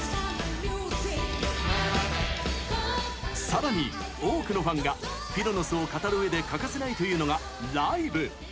さらに多くのファンがフィロのスを語るうえで欠かせないというのがライブ！